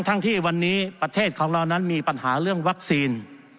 ทั้งที่วันนี้ประเทศของเรานั้นมีปัญหาเรื่องวัคซีน